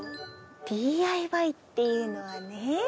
ＤＩＹっていうのはね「Ｄｏｉｔ」。